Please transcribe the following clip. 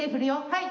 はい。